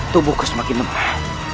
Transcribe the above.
tubuhku semakin lemah